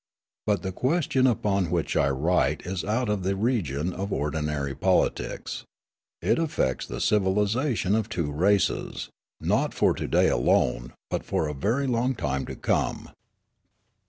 But the question upon which I write is out of the region of ordinary politics. It affects the civilisation of two races, not for to day alone, but for a very long time to come.